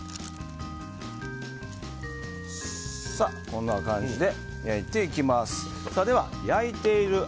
こんな感じで焼いていきます。